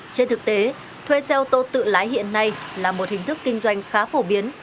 trên thực tế thuê xe ô tô tự lái hiện nay là một hình thức kinh doanh khá phổ biến